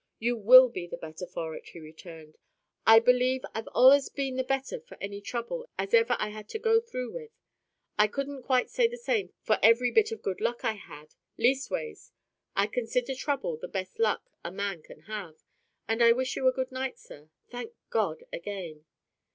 "You WILL be the better for it," he returned. "I believe I've allus been the better for any trouble as ever I had to go through with. I couldn't quite say the same for every bit of good luck I had; leastways, I consider trouble the best luck a man can have. And I wish you a good night, sir. Thank God! again."